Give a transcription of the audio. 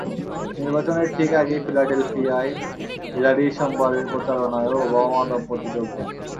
নির্বাচনের ঠিক আগে ফিলাডেলফিয়ায় হিলারির সোমবারের প্রচারণায়ও ওবামা দম্পতি যোগ দেন।